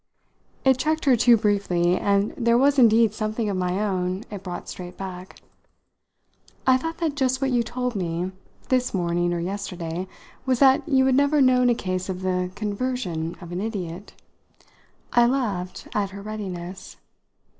It checked her too briefly, and there was indeed something of my own it brought straight back. "I thought that just what you told me, this morning or yesterday, was that you had never known a case of the conversion of an idiot." I laughed at her readiness.